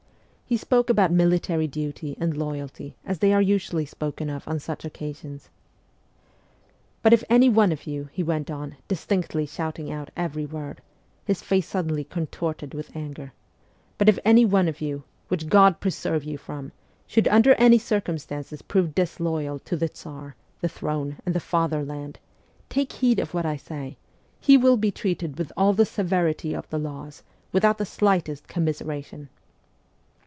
He spoke about military duty and loyalty as they are usually spoken of on such occasions. ' But if any one of you,' he went on, distinctly shouting out every word, his face suddenly contorted with anger, 'but if any one of you which God preserve you from should under any circumstances prove disloyal SIBERIA 195 to the Tsar, the throne, and the fatherland take heed of what I say he will be treated with all the se ve ri ty of the laws, without the slightest com mi se ra tion